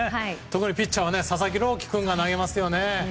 特にピッチャーは佐々木朗希君が投げますよね。